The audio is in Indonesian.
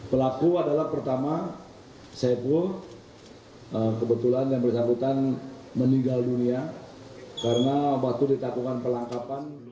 pelaku adalah pertama saiful kebetulan yang bersambutan meninggal dunia karena waktu ditakukan pelangkapan